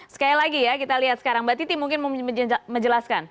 sekali lagi ya kita lihat sekarang mbak titi mungkin mau menjelaskan